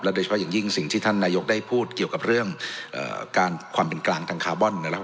โดยเฉพาะอย่างยิ่งสิ่งที่ท่านนายกได้พูดเกี่ยวกับเรื่องการความเป็นกลางทางคาร์บอนนะครับ